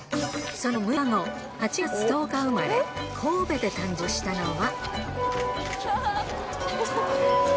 その６日後８月１０日生まれ神戸で誕生したのは。